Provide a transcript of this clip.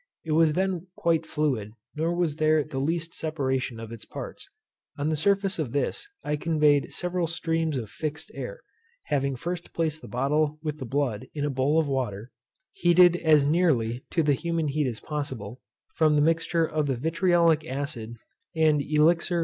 It was then quite fluid, nor was there the least separation of its parts. On the surface of this I conveyed several streams of fixed air (having first placed the bottle with the blood in a bowl of water, heated as nearly to the human heat as possible) from the mixture of the vitriolic acid and lixiv.